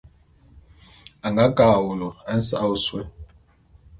A nga ke a wulu nsa'a ôsôé.